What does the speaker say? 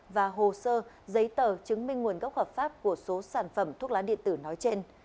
và hồ sơ giấy tờ chứng minh nguồn gốc hợp pháp của số sản phẩm thuốc lá điện tử nói trên